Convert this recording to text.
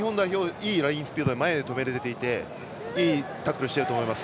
いいラインスピードで前で止めれていていいタックルしていると思います。